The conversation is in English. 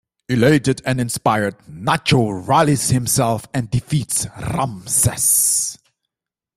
Elated and inspired, Nacho rallies himself and defeats Ramses.